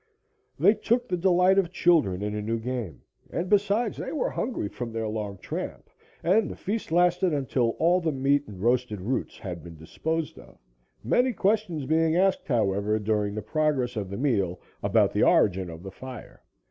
They took the delight of children in a new game, and besides, they were hungry from their long tramp, and the feast lasted until all the meat and roasted roots had been disposed of, many questions being asked, however, during the progress of the meal about the origin of the fire.